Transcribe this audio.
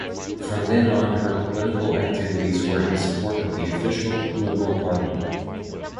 From then on her political activities were in support of the official Liberal Party.